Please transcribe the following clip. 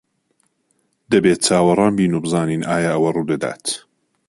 دەبێت چاوەڕوان بین و بزانین ئایا ئەوە ڕوودەدات.